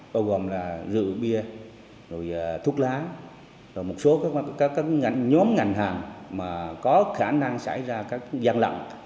bao gồm là rượu bia thuốc lá một số các nhóm ngành hàng có khả năng xảy ra gian lận